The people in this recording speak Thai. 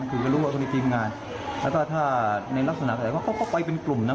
คือก็รู้ว่าเขามีทีมงานแล้วก็ถ้าในลักษณะว่าเขาก็ไปเป็นกลุ่มนะ